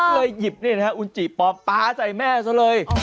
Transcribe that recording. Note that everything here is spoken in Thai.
เลยหยิบนี่นะฮะอูจิปลอปป๊าใส่แม่ซะเลย